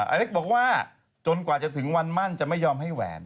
อเล็กบอกว่าจนกว่าจะถึงวันมั่นจะไม่ยอมให้แหวน